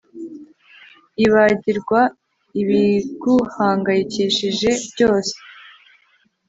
Ibagirwa ibiguhangayikishije byose